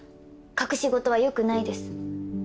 隠し事はよくないです。